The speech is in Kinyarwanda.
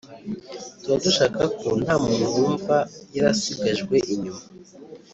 …tuba dushaka ko nta muntu wumva yarasigajwe inyuma